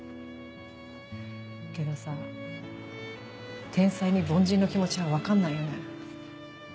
けどさ天才に凡人の気持ちは分かんないよね。